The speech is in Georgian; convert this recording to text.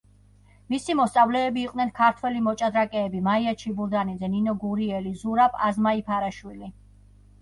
მისი მოსწავლეები იყვნენ ქართველი მოჭადრაკეები: მაია ჩიბურდანიძე, ნინო გურიელი, ზურაბ აზმაიფარაშვილი.